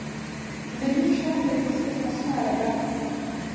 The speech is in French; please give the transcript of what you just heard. Lemmy chante et joue cette chanson à la basse.